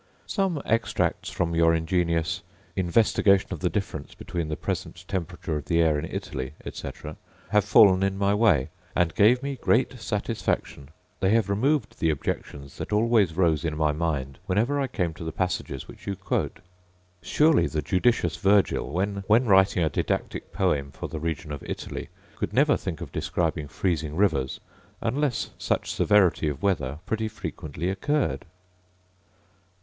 Some extracts from your ingenious 'Investigations of the difference between the present temperature of the air in Italy,' etc., have fallen in my way, and gave me great satisfaction: they have removed the objections that always rose in my mind whenever I came to the passages which you quote. Surely the judicious Virgil, when writing a didactic poem for the region of Italy, could never think of describing freezing rivers, unless such severity of weather pretty frequently occurred!